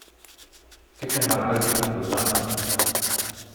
Gib mir mal all die Piktogramme!